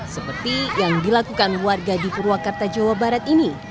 seperti yang dilakukan warga di purwakarta jawa barat ini